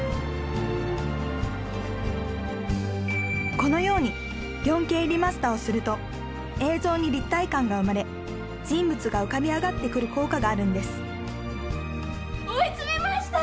このように４Ｋリマスターをすると映像に立体感が生まれ人物が浮かび上がってくる効果があるんです追い詰めました！